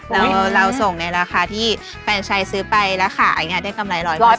แล้วเราส่งในราคาที่แฟนชายซื้อไปราคาเนี่ยได้กำไรร้อยเปอร์เซ็นต์เลย